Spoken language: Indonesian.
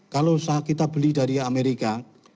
kalau kita beli dari amerika